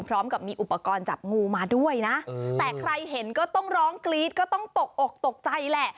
พร้อมกับมีอุปกรณ์จับงูมาด้วยนะแต่ใครเห็นก็ต้องร้องกรี๊ดก็ต้องตกอกตกใจแหละ